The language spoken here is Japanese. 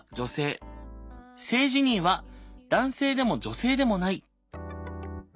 性自認は「男性でも女性でもない」。